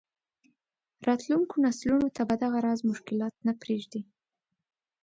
راتلونکو نسلونو ته به دغه راز مشکلات نه پرېږدي.